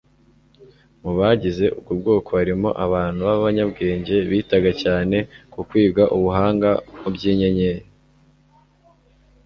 mu bagize ubwo bwoko harimo abantu b'abanyabwenge bitaga cyane ku kwiga ubuhanga mu by'inyenyeri